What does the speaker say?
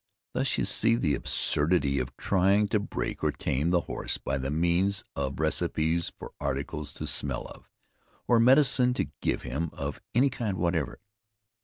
Thus you see the absurdity of trying to break or tame the horse by the means of receipts for articles to smell of, or medicine to give him, of any kind whatever.